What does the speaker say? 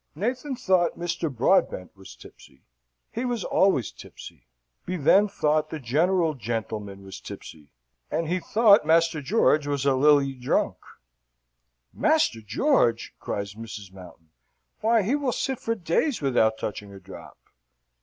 Nathan thought Mister Broadbent was tipsy he always tipsy; be then thought the General gentleman was tipsy; and he thought Master George was a lilly drunk. "Master George!" cries Mrs. Mountain: "why, he will sit for days without touching a drop."